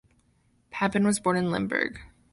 Papen was born in Limburg.